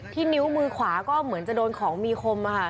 นิ้วมือขวาก็เหมือนจะโดนของมีคม